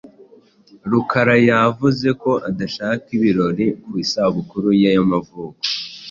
Rukara yavuze ko adashaka ibirori ku isabukuru ye y'amavuko.